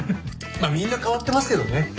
まあみんな変わってますけどね。